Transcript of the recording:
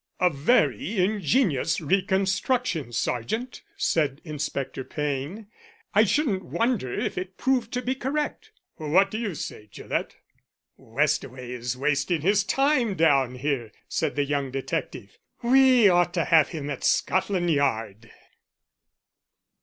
"A very ingenious reconstruction, sergeant," said Inspector Payne. "I shouldn't wonder if it proved to be correct. What do you say, Gillett?" "Westaway is wasting his time down here," said the young detective. "We ought to have him at Scotland Yard."